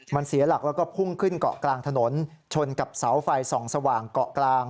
มันเสียหลักแล้วก็พุ่งขึ้นเกาะกลางถนนชนกับเสาไฟส่องสว่างเกาะกลาง